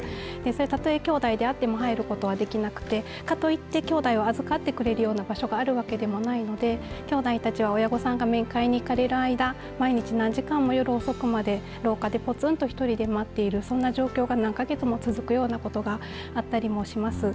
たとえ兄弟であっても入ることができなくてかといって兄弟を預かってくれる場所があるわけでもないので兄弟たちは親御さんが面会に行かれる間毎日、何時間も夜遅くまで廊下で１人でぽつんと待っている、そんな状況が何か月も続くようなことがあったりします。